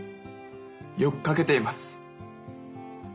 よく書けています。